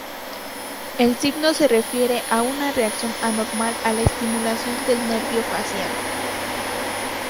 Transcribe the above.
El signo se refiere a una reacción anormal a la estimulación del nervio facial.